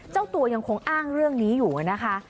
เจ้าตัวยังคงอ้างเรื่องนี้อยู่นะคะ